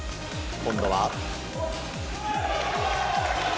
今度は。